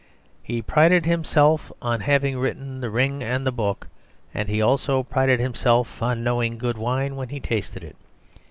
He prided himself on having written The Ring and the Book, and he also prided himself on knowing good wine when he tasted it.